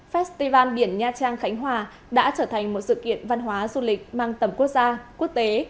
festival biển nha trang khánh hòa đã trở thành một sự kiện văn hóa du lịch mang tầm quốc gia quốc tế